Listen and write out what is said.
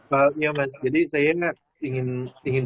pak iyam jadi saya ingin